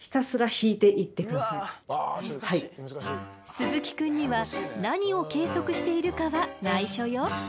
鈴木くんには何を計測しているかはないしょよ。